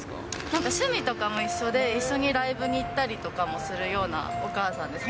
なんか趣味とかも一緒で、一緒にライブに行ったりとかもするようなお母さんです。